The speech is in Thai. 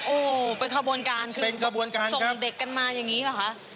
โอ้เป็นกระบวนการคือส่งเด็กกันมาอย่างนี้หรอคะ